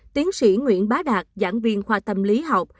tiến sĩ nguyễn bá đạt giảng viên khoa tâm lý học